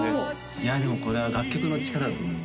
いやでもこれは楽曲の力だと思います